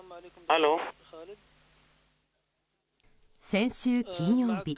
先週金曜日。